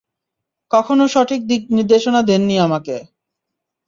কখনো সঠিক দিক নির্দেশনা দেননি আমাকে।